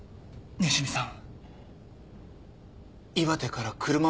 西見さん